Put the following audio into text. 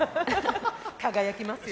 輝きますよ。